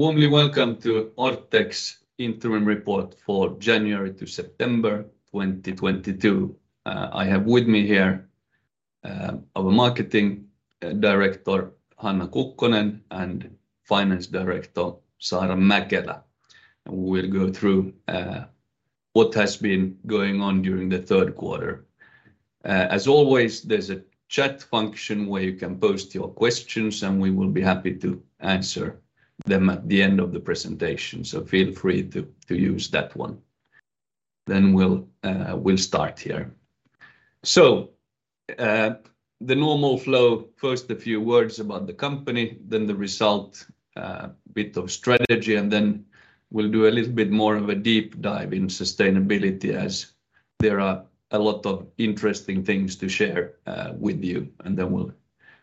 Warmly welcome to Orthex Interim Report for January to September 2022. I have with me here our Marketing Director Hanna Kukkonen, and Finance Director Saara Mäkelä. We'll go through what has been going on during the third quarter. As always, there's a chat function where you can post your questions, and we will be happy to answer them at the end of the presentation, so feel free to use that one. We'll start here. The normal flow, first a few words about the company, then the result, bit of strategy, and then we'll do a little bit more of a deep dive in sustainability as there are a lot of interesting things to share with you. We'll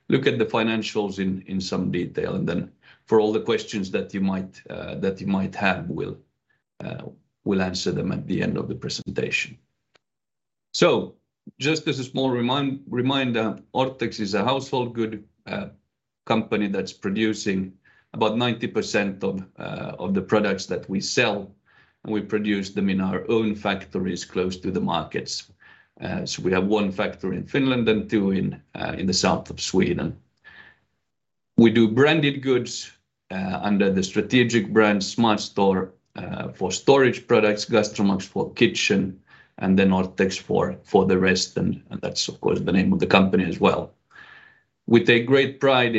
look at the financials in some detail. Then for all the questions that you might have, we'll answer them at the end of the presentation. Just as a small reminder, Orthex is a household goods company that's producing about 90% of the products that we sell, and we produce them in our own factories close to the markets. We have one factory in Finland and two in the south of Sweden. We do branded goods under the strategic brand SmartStore for storage products, GastroMax for kitchen, and then Orthex for the rest. That's, of course, the name of the company as well. We take great pride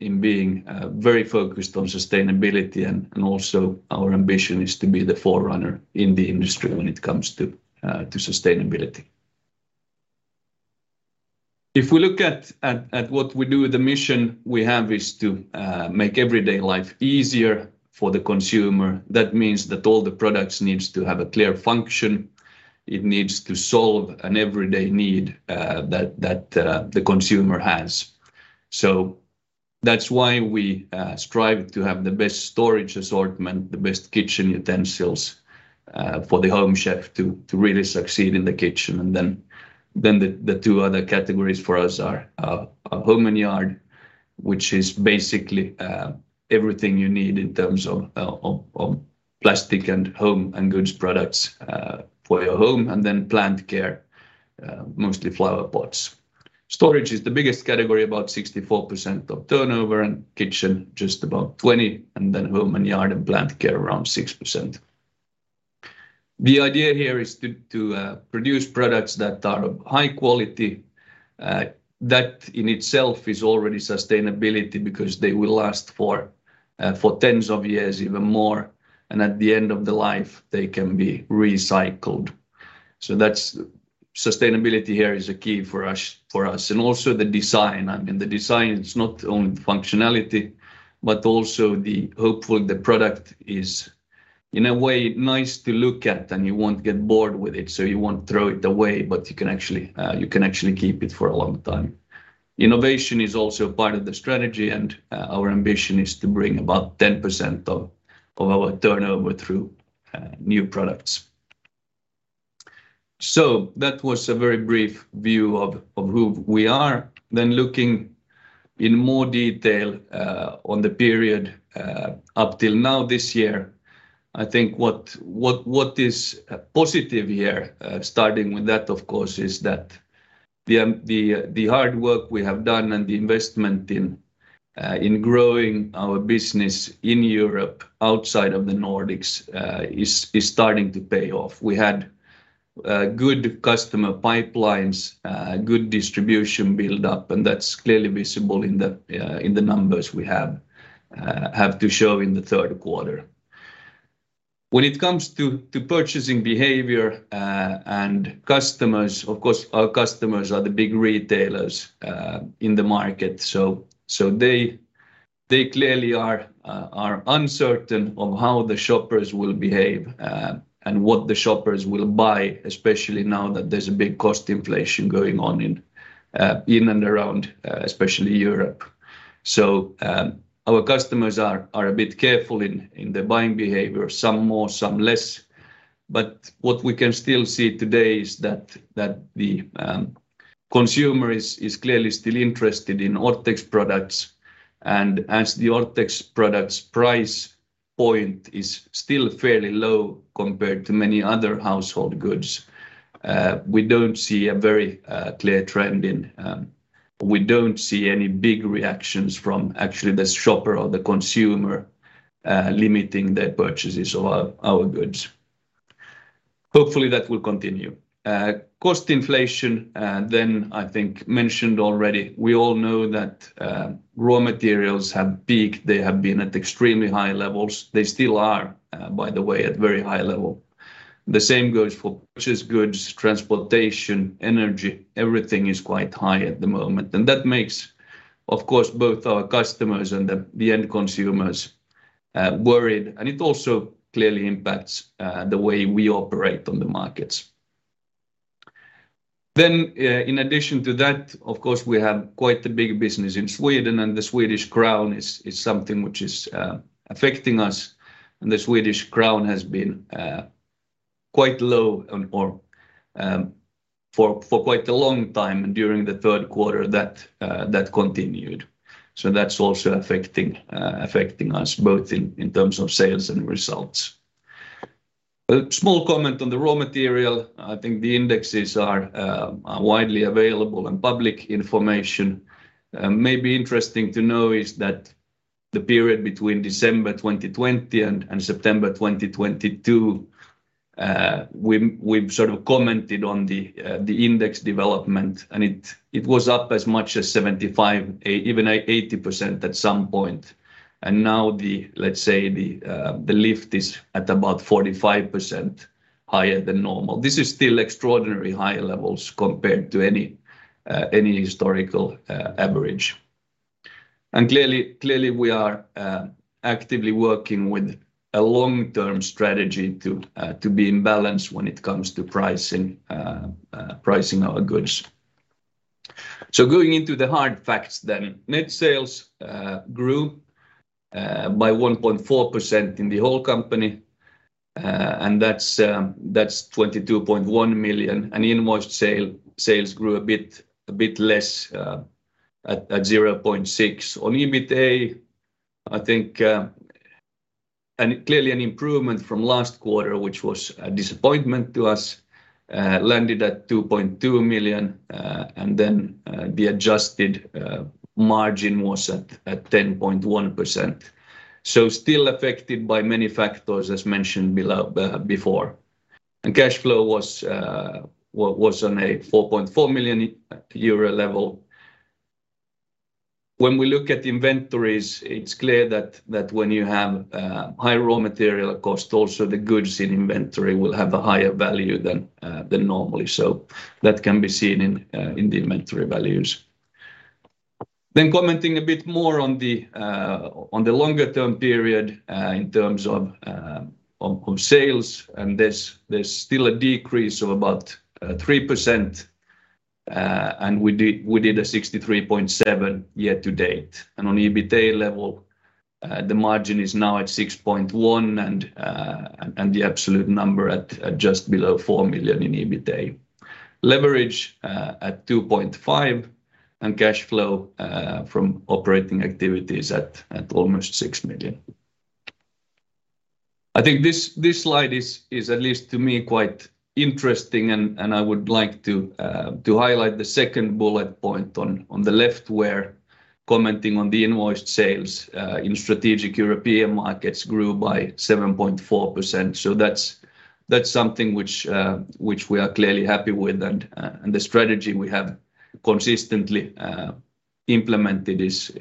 in being very focused on sustainability, and also our ambition is to be the forerunner in the industry when it comes to sustainability. If we look at what we do, the mission we have is to make everyday life easier for the consumer. That means that all the products needs to have a clear function. It needs to solve an everyday need that the consumer has. That's why we strive to have the best storage assortment, the best kitchen utensils for the home chef to really succeed in the kitchen. The two other categories for us are home and yard, which is basically everything you need in terms of plastic and home and goods products for your home, and then plant care, mostly flower pots. Storage is the biggest category, about 64% of turnover and kitchen just about 20, and then home and yard and plant care around 6%. The idea here is to produce products that are of high-quality. That in itself is already sustainability because they will last for tens of years even more, and at the end of the life, they can be recycled. Sustainability here is a key for us and also the design. I mean, the design is not only the functionality, but also hopefully the product is in a way nice to look at and you won't get bored with it, so you won't throw it away, but you can actually keep it for a long time. Innovation is also part of the strategy, and our ambition is to bring about 10% of our turnover through new products. That was a very brief view of who we are. Looking in more detail on the period up till now this year. I think what is positive here, starting with that of course is that the hard work we have done and the investment in growing our business in Europe outside of the Nordics is starting to pay off. We had good customer pipelines, good distribution build up, and that's clearly visible in the numbers we have to show in the third quarter. When it comes to purchasing behavior and customers, of course, our customers are the big retailers in the market. They clearly are uncertain of how the shoppers will behave and what the shoppers will buy, especially now that there's a big cost inflation going on in and around, especially Europe. Our customers are a bit careful in their buying behavior, some more, some less. What we can still see today is that the consumer is clearly still interested in Orthex products. As the Orthex products price point is still fairly low compared to many other household goods, we don't see a very clear trend. We don't see any big reactions from actually the shopper or the consumer limiting their purchases of our goods. Hopefully, that will continue. Cost inflation, then I think mentioned already. We all know that raw materials have peaked. They have been at extremely high levels. They still are, by the way, at very high level. The same goes for purchased goods, transportation, energy. Everything is quite high at the moment. That makes, of course, both our customers and the end consumers worried and it also clearly impacts the way we operate on the markets. In addition to that, of course, we have quite a big business in Sweden and the Swedish crown is something which is affecting us. The Swedish crown has been quite low for quite a long time during the third quarter that continued. That's also affecting us both in terms of sales and results. A small comment on the raw material. I think the indexes are widely available, and public information may be interesting to know is that the period between December 2020 and September 2022, we've sort of commented on the index development, and it was up as much as 75%, even 80% at some point. Now let's say the lift is at about 45% higher than normal. This is still extraordinary high levels compared to any historical average. Clearly, we are actively working with a long-term strategy to be in balance when it comes to pricing our goods. Going into the hard facts. Net sales grew by 1.4% in the whole company and that's 22.1 million. Invoiced sales grew a bit less at 0.6%. On EBITA, I think, and clearly an improvement from last quarter, which was a disappointment to us, landed at 2.2 million. And then, the adjusted margin was at 10.1%. Still affected by many factors, as mentioned below, before. Cash flow was on a 4.4 million euro level. When we look at inventories, it's clear that when you have high raw material cost also the goods in inventory will have a higher value than normally. So that can be seen in the inventory values. Commenting a bit more on the longer term period in terms of on sales, and there's still a decrease of about 3%. We did EUR 63.7 year-to-date. On EBITA level, the margin is now at 6.1%, and the absolute number at just below 4 million in EBITA. Leverage at 2.5x, and cash flow from operating activities at almost 6 million. I think this slide is at least to me quite interesting, and I would like to highlight the second bullet point on the left where commenting on the invoiced sales in strategic European markets grew by 7.4%. That's something which we are clearly happy with. The strategy we have consistently implemented is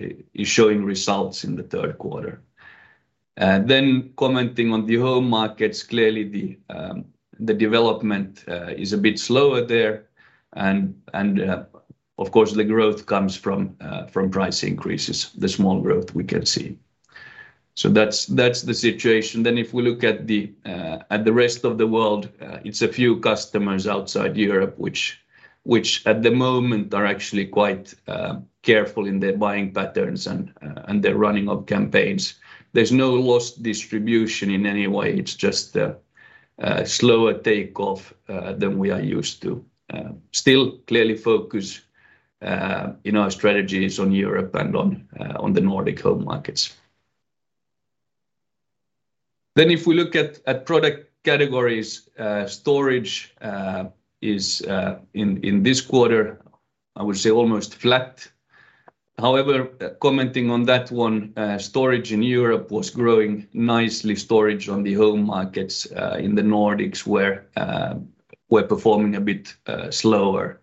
showing results in the third quarter. Commenting on the home markets, clearly the development is a bit slower there. Of course, the growth comes from price increases, the small growth we can see. That's the situation. If we look at the rest of the world, it's a few customers outside Europe which at the moment are actually quite careful in their buying patterns and their running of campaigns. There's no lost distribution in any way. It's just a slower takeoff than we are used to. Still clearly focus in our strategies on Europe and on the Nordic home markets. If we look at product categories, storage is in this quarter, I would say almost flat. However commenting on that one, storage in Europe was growing nicely. Storage on the home markets in the Nordics were performing a bit slower.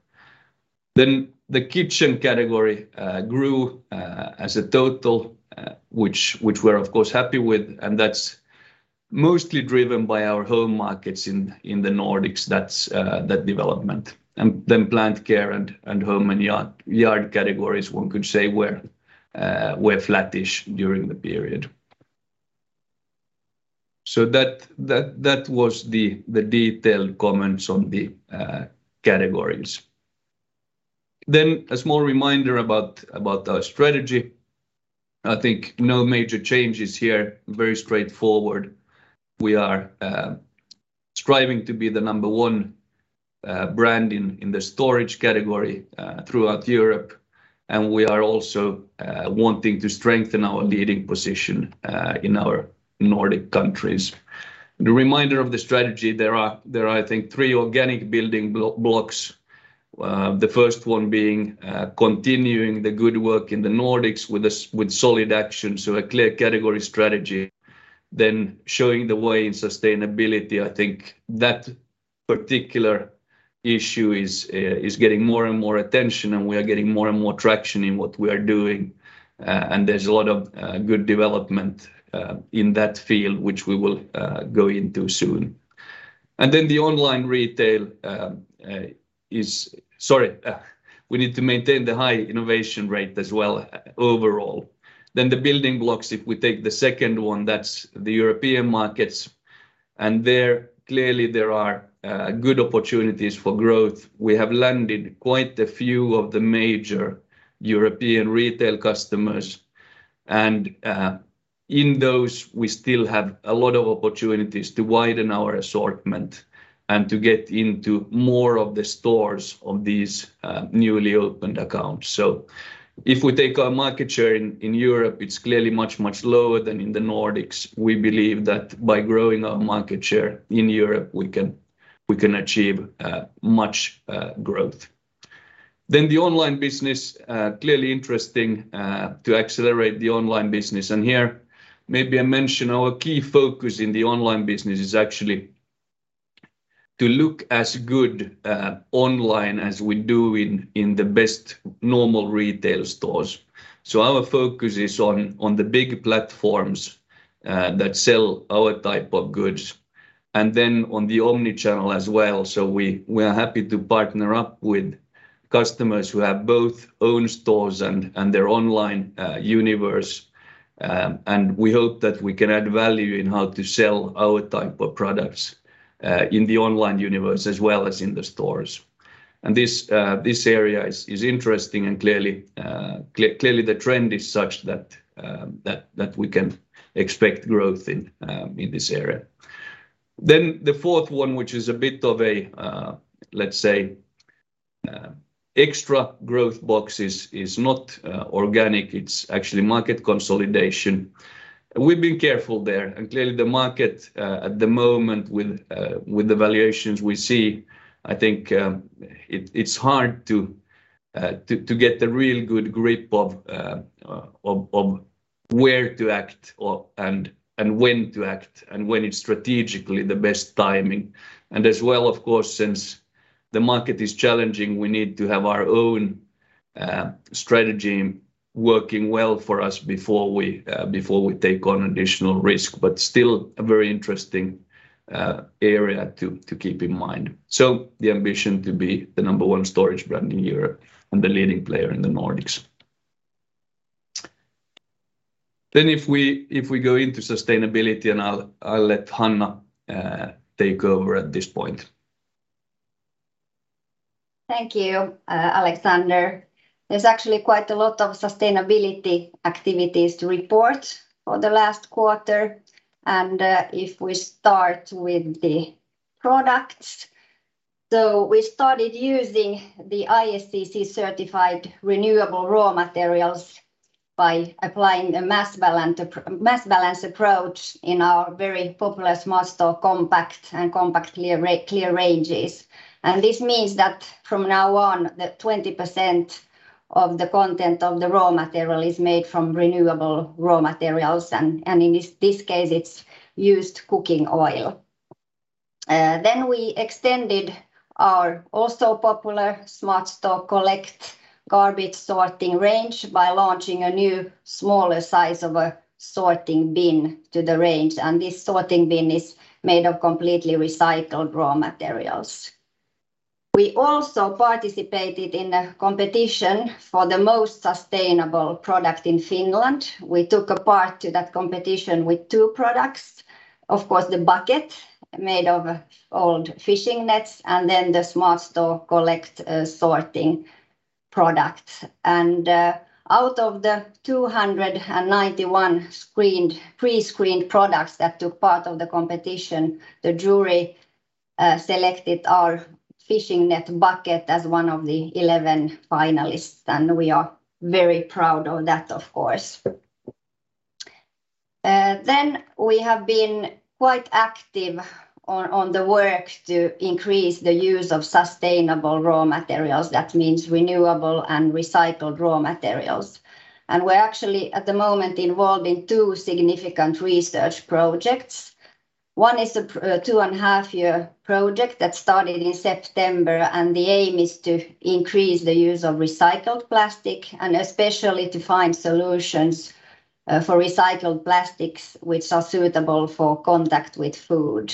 The kitchen category grew as a total, which we're of course happy with. That's mostly driven by our home markets in the Nordics. That's that development. Plant care and home and yard categories, one could say were flattish during the period. That was the detailed comments on the categories. A small reminder about our strategy. I think no major changes here. Very straightforward. We are striving to be the number one brand in the storage category throughout Europe, and we are also wanting to strengthen our leading position in our Nordic countries. The remainder of the strategy there are I think, three organic building blocks. The first one being continuing the good work in the Nordics with solid action, so a clear category strategy. Showing the way in sustainability. I think that particular issue is getting more and more attention, and we are getting more and more traction in what we are doing. There's a lot of good development in that field which we will go into soon. We need to maintain the high innovation rate as well overall. The building blocks, if we take the second one, that's the European markets. There, clearly there are good opportunities for growth. We have landed quite a few of the major European retail customers. In those, we still have a lot of opportunities to widen our assortment and to get into more of the stores of these newly opened accounts. If we take our market share in Europe, it's clearly much lower than in the Nordics. We believe that by growing our market share in Europe, we can achieve much growth. The online business clearly interesting to accelerate the online business. Here maybe I mention our key focus in the online business is actually to look as good online as we do in the best normal retail stores. Our focus is on the big platforms that sell our type of goods. On the omnichannel as well. We are happy to partner up with customers who have both own stores and their online universe. We hope that we can add value in how to sell our type of products in the online universe as well as in the stores. This area is interesting and clearly the trend is such that we can expect growth in this area. The fourth one which is a bit of a let's say extra growth box is not organic, it's actually market consolidation. We've been careful there. Clearly the market at the moment with the valuations we see, I think, it's hard to get a real good grip of where to act or and when to act and when it's strategically the best timing. As well, of course, since the market is challenging we need to have our own strategy working well for us before we take on additional risk. Still a very interesting area to keep in mind. The ambition to be the number one storage brand in Europe and the leading player in the Nordics. If we go into sustainability and I'll let Hanna take over at this point. Thank you, Alexander. There's actually quite a lot of sustainability activities to report for the last quarter. If we start with the products. We started using the ISCC-certified renewable raw materials by applying a mass balance approach in our very popular SmartStore Compact and Compact Clear ranges. This means that from now on, 20% of the content of the raw material is made from renewable raw materials, and in this case, it's used cooking oil. We extended our also popular SmartStore Collect garbage sorting range by launching a new smaller size of a sorting bin to the range, and this sorting bin is made of completely recycled raw materials. We also participated in a competition for the most sustainable product in Finland. We took part in that competition with two products. Of course, the bucket made of old fishing nets and then the SmartStore Collect sorting product. Out of the 291 screened, pre-screened products that took part in the competition, the jury selected our fishing net bucket as one of the 11 finalists, and we are very proud of that, of course. We have been quite active on the work to increase the use of sustainable raw materials. That means renewable and recycled raw materials. We're actually at the moment involved in two significant research projects. One is a 2.5-year project that started in September, and the aim is to increase the use of recycled plastic and especially to find solutions for recycled plastics, which are suitable for contact with food.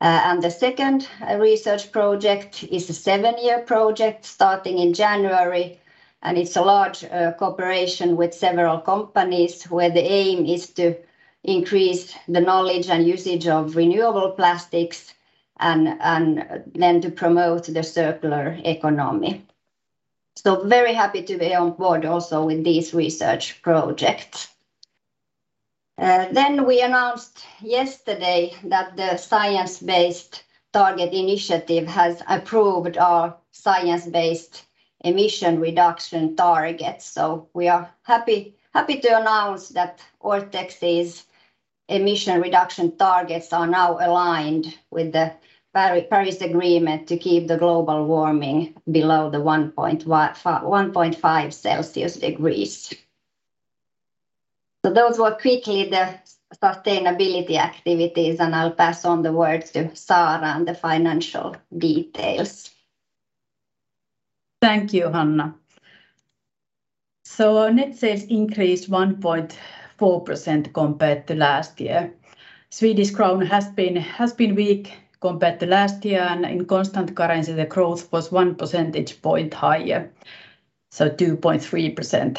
The second research project is a seven-year project starting in January, and it's a large cooperation with several companies where the aim is to increase the knowledge and usage of renewable plastics and then to promote the circular economy. Very happy to be on board also with this research project. We announced yesterday that the Science Based Targets initiative has approved our science-based emission reduction targets. We are happy to announce that Orthex's emission reduction targets are now aligned with the Paris Agreement to keep the global warming below 1.5 Celsius degrees. Those were quickly the sustainability activities and I'll pass on the word to Saara and the financial details. Thank you, Hanna. Our net sales increased 1.4% compared to last year. Swedish crown has been weak compared to last year, and in constant currency, the growth was 1 percentage point higher, so 2.3%.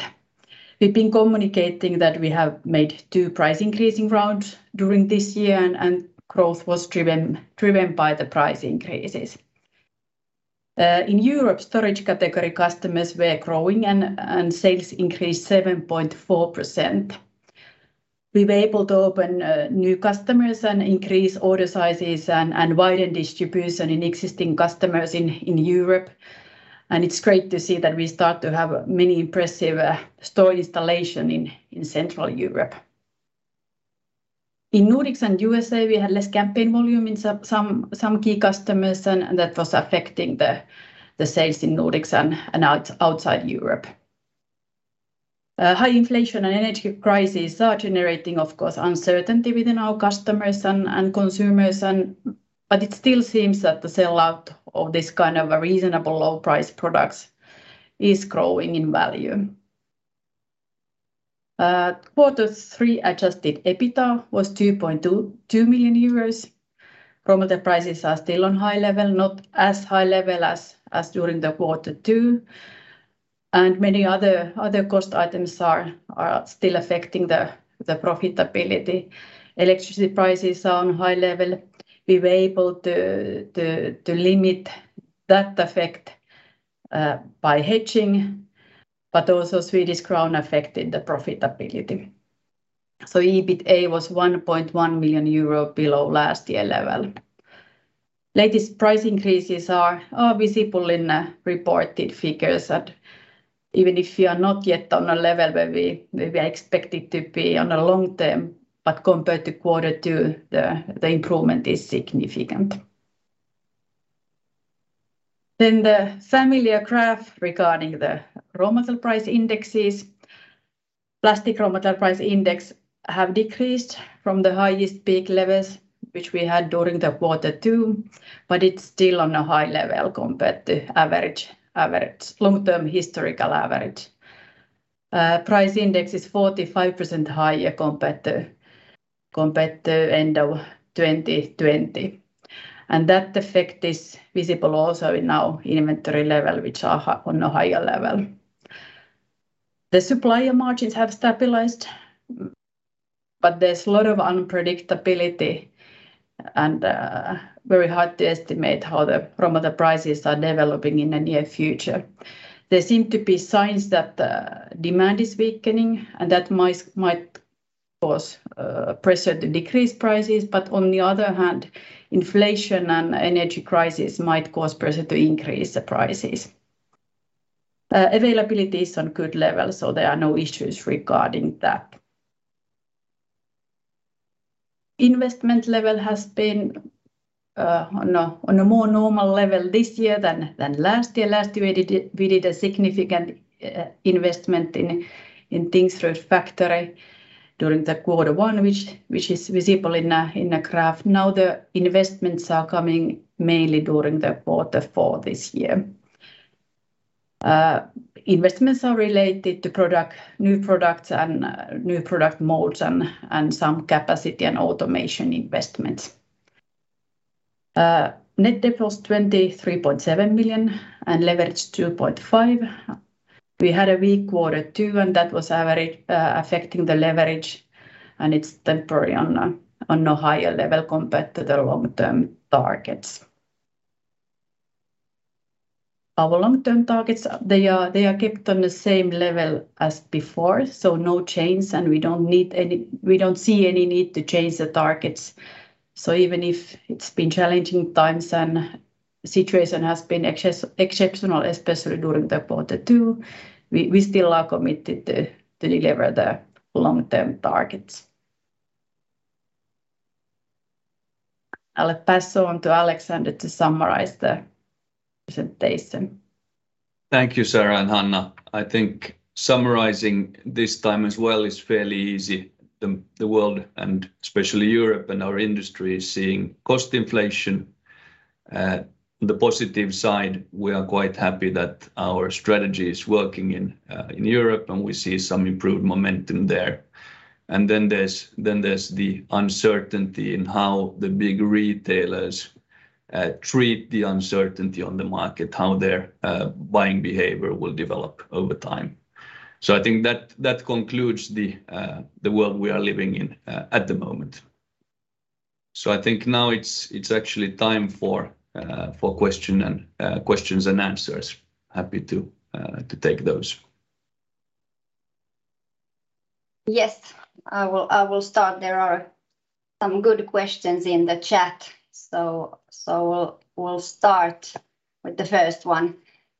We've been communicating that we have made two price increasing rounds during this year, and growth was driven by the price increases. In Europe, storage category customers were growing and sales increased 7.4%. We were able to open new customers and increase order sizes and widen distribution in existing customers in Europe. It's great to see that we start to have many impressive store installation in Central Europe. In Nordics and U.S.A., we had less campaign volume in some key customers, and that was affecting the sales in Nordics and outside Europe. High inflation and energy crisis are generating, of course, uncertainty within our customers and consumers. It still seems that the sell-out of this kind of reasonable low-price products is growing in value. Quarter three adjusted EBITDA was 2.2 million euros. Raw material prices are still on high level, not as high level as during the quarter two, and many other cost items are still affecting the profitability. Electricity prices are on high level. We were able to limit that effect by hedging but also Swedish crown affected the profitability. EBITA was 1.1 million euro below last year level. Latest price increases are visible in the reported figures that even if we are not yet on a level where we are expected to be on the long term, but compared to quarter two, the improvement is significant. The familiar graph regarding the raw material price indexes. Plastic raw material price index have decreased from the highest peak levels, which we had during the quarter two but it's still on a high level compared to average long-term historical average. Price index is 45% higher compared to end of 2020. That effect is visible also in our inventory level, which are on a higher level. The supplier margins have stabilized, but there's a lot of unpredictability and very hard to estimate how the raw material prices are developing in the near future. There seem to be signs that the demand is weakening, and that might cause pressure to decrease prices, but on the other hand, inflation and energy crisis might cause pressure to increase the prices. Availability is on good level, so there are no issues regarding that. Investment level has been on a more normal level this year than last year. Last year, we did a significant investment in Tingsryd factory during the quarter one, which is visible in a graph. Now, the investments are coming mainly during the quarter four this year. Investments are related to new products and new product molds and some capacity and automation investments. Net debt was 23.7 million and leverage 2.5x. We had a weak quarter two, and that was affecting the leverage, and it's temporary on a higher level compared to the long-term targets. Our long-term targets, they are kept on the same level as before, so no change, and we don't see any need to change the targets. Even if it's been challenging times and situation has been exceptional, especially during the quarter two we still are committed to deliver the long-term targets. I'll pass on to Alexander to summarize the presentation. Thank you, Saara and Hanna. I think summarizing this time as well is fairly easy. The world and especially Europe and our industry is seeing cost inflation. The positive side, we are quite happy that our strategy is working in Europe, and we see some improved momentum there. There's the uncertainty in how the big retailers treat the uncertainty on the market, how their buying behavior will develop over time. I think that concludes the world we are living in at the moment. I think now it's actually time for questions and answers. Happy to take those. Yes, I will start. There are some good questions in the chat. We'll start with the first one.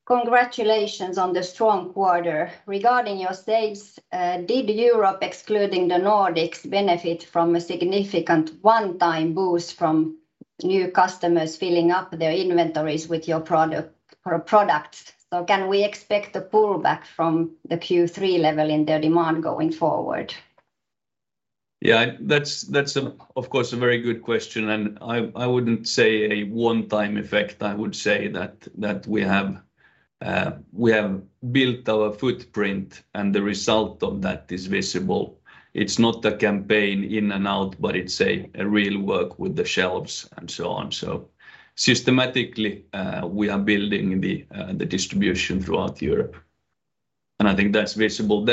Congratulations on the strong quarter. Regarding your sales, did Europe, excluding the Nordics, benefit from a significant one-time boost from new customers filling up their inventories with your product or products? Can we expect a pullback from the Q3 level in their demand going forward? Yeah, that's of course a very good question, and I wouldn't say a one-time effect. I would say that we have built our footprint, and the result of that is visible. It's not a campaign in and out, but it's a real work with the shelves and so on. So systematically, we are building the distribution throughout Europe. I think that's visible.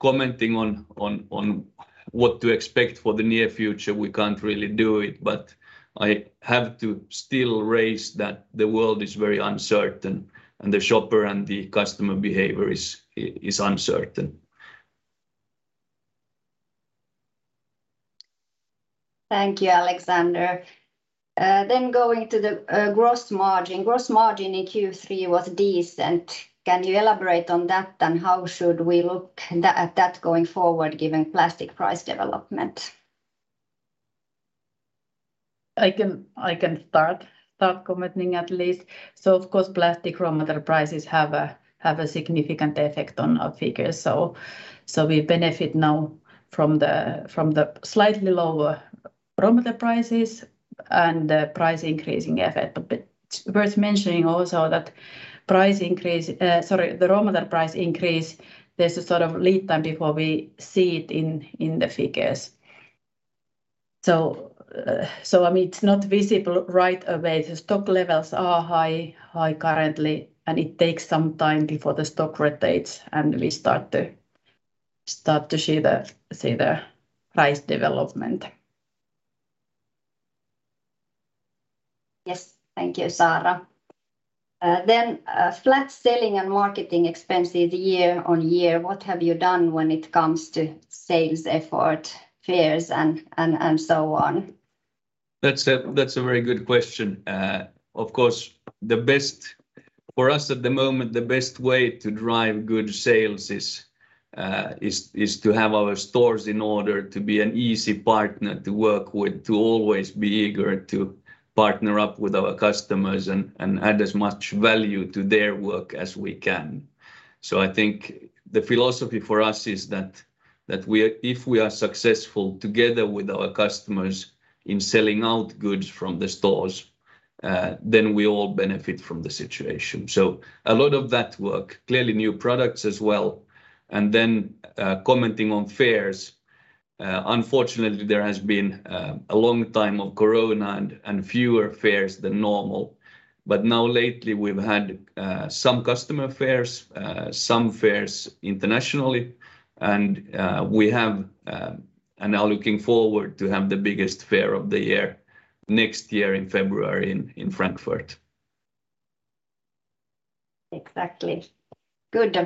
Commenting on what to expect for the near future, we can't really do it but I have to still raise that the world is very uncertain, and the shopper and the customer behavior is uncertain. Thank you, Alexander. Gross margin in Q3 was decent. Can you elaborate on that? How should we look at that going forward given plastic price development? I can start commenting at least. Of course plastic raw material prices have a significant effect on our figures. We benefit now from the slightly lower raw material prices and the price increasing effect. It's worth mentioning also that the raw material price increase, there's a sort of lead time before we see it in the figures. It's not visible right away. The stock levels are high currently, and it takes some time before the stock rotates, and we start to see the price development. Yes. Thank you, Saara. Flat selling and marketing expenses year on year. What have you done when it comes to sales effort, fairs, and so on? That's a very good question. Of course the best for us at the moment, the best way to drive good sales is to have our stores in order to be an easy partner to work with, to always be eager to partner up with our customers and add as much value to their work as we can. I think the philosophy for us is that if we are successful together with our customers in selling out goods from the stores, then we all benefit from the situation. A lot of that work. Clearly new products as well. Then, commenting on fairs. Unfortunately there has been a long time of Corona and fewer fairs than normal. Now lately we've had some customer fairs, some fairs internationally, and we are now looking forward to have the biggest fair of the year next year in February in Frankfurt. Exactly. Good.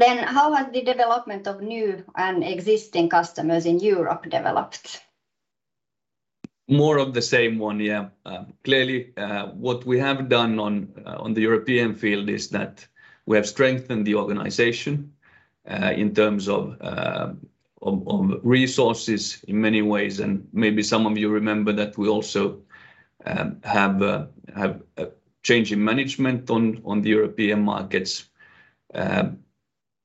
How has the development of new and existing customers in Europe developed? More of the same one, yeah. Clearly what we have done on the European field is that we have strengthened the organization in terms of resources in many ways, and maybe some of you remember that we also have a change in management on the European markets.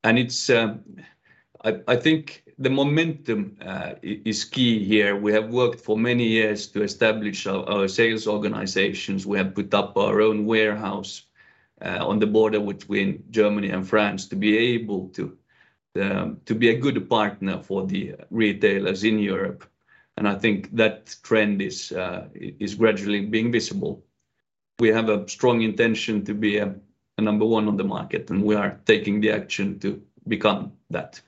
I think the momentum is key here. We have worked for many years to establish our sales organizations. We have put up our own warehouse on the border between Germany and France to be able to be a good partner for the retailers in Europe. I think that trend is gradually being visible. We have a strong intention to be a number one on the market, and we are taking the action to become that.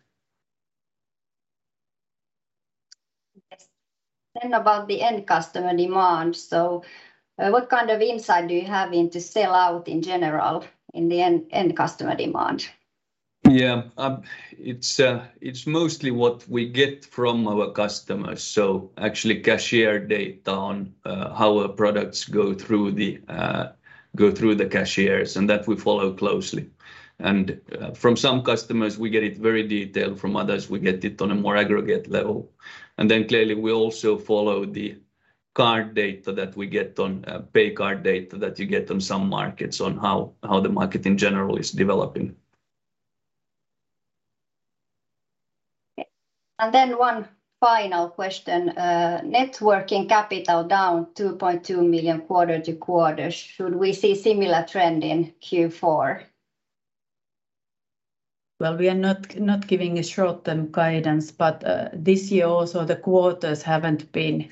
Yes. About the end customer demand. What kind of insight do you have into sell-out in general in the end customer demand? Yeah. It's mostly what we get from our customers. Actually cashier data on how our products go through the cashiers, and that we follow closely. From some customers, we get it very detailed. From others, we get it on a more aggregate level. Clearly, we also follow the card data that we get on some markets on how the market in general is developing. One final question. Net working capital down 2.2 million quarter-over-quarter. Should we see similar trend in Q4? Well, we are not giving a short-term guidance, but this year also the quarters have been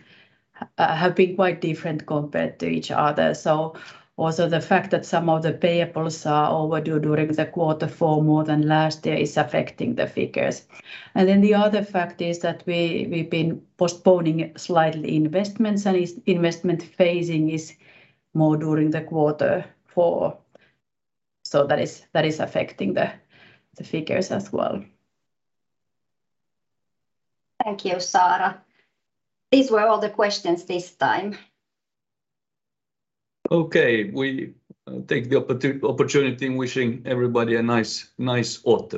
quite different compared to each other. Also the fact that some of the payables are overdue during the quarter for more than last year is affecting the figures and then the other fact is that we've been postponing slightly investments, and investment phasing is more during the quarter four. That is affecting the figures as well. Thank you, Saara. These were all the questions this time. Okay. We take the opportunity in wishing everybody a nice autumn.